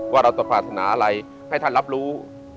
ว่าเราต้องพัฒนาอะไรให้ท่านรับรู้